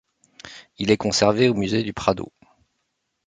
Il est conservé au musée du Prado.